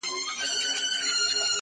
تاریخ د راتلونکې لپاره درس دی